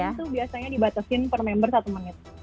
kalau online tuh biasanya dibatasin per member satu menit